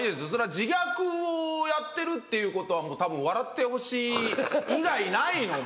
自虐をやってるっていうことはもうたぶん笑ってほしい以外ないので。